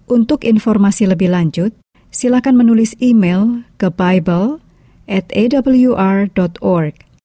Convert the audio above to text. untuk informasi lebih lanjut silakan menulis email ke bible atawr org